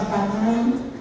jadi pak gepang ini